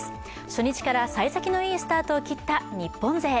初日からさい先のいいスタートを切った日本勢。